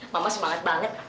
mama semangat banget